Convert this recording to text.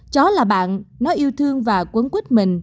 chó là bạn nó yêu thương và quấn quýt mình